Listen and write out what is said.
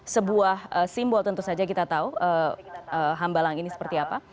sebuah simbol tentu saja kita tahu hambalang ini seperti apa